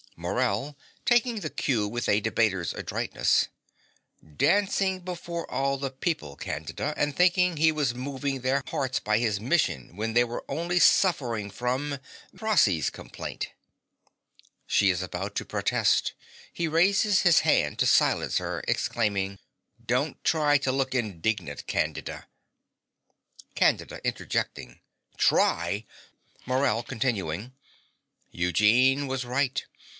MORELL (taking the cue with a debater's adroitness). Dancing before all the people, Candida; and thinking he was moving their hearts by his mission when they were only suffering from Prossy's complaint. (She is about to protest: he raises his hand to silence her, exclaiming) Don't try to look indignant, Candida: CANDIDA (interjecting). Try! MORELL (continuing). Eugene was right.